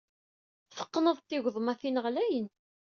Teqqneḍ-d tigeḍmatin ɣlayen.